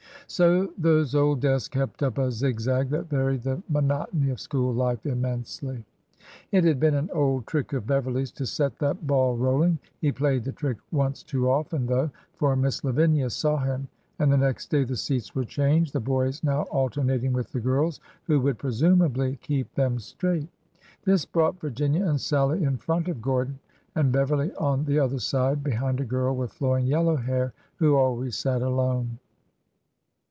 So those old desks kept up a zigzag that varied the monotony of school life immensely. It had been an old trick of Beverly's to set that ball rolling. He played the trick once too often, though ; for Miss Lavinia saw him, and the next day the seats were changed, the boys now alternating with the girls, who w^ould presumably keep them straight. This brought Vir ginia and Sallie in front of Gordon, and Beverly on the other side, behind a girl with flowing yellow hair, who always sat alone.